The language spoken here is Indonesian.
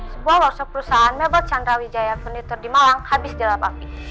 sebuah workshop perusahaan mebel chandra wijaya furniture di malang habis jelap api